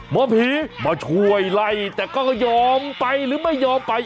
หมอผีมาช่วยไล่แต่ก็ยอมไปหรือไม่ยอมไป